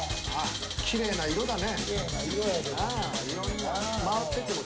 きれいな色だね。